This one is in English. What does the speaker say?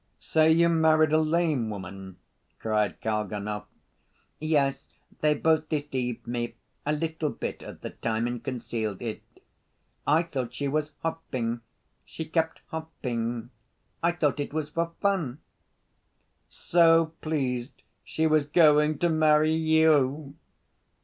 "So you married a lame woman?" cried Kalganov. "Yes. They both deceived me a little bit at the time, and concealed it. I thought she was hopping; she kept hopping.... I thought it was for fun." "So pleased she was going to marry you!"